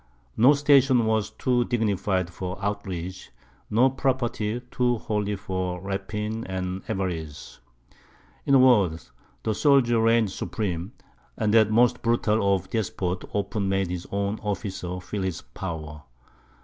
No station was too dignified for outrage, no property too holy for rapine and avarice. In a word, the soldier reigned supreme; and that most brutal of despots often made his own officer feel his power.